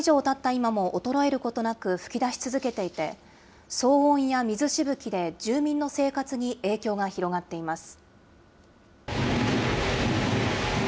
今も衰えることなく噴き出し続けていて、騒音や水しぶきで住民の生活に影響が広がっています。